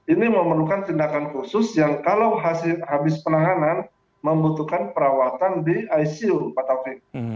ini memerlukan tindakan khusus yang kalau habis penanganan membutuhkan perawatan di icu pak taufik